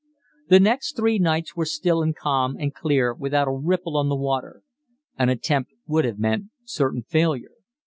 The next three nights were still and calm and clear without a ripple on the water; an attempt would have meant certain failure.